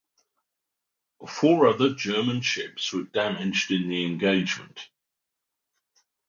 Four other German ships were damaged in the engagement.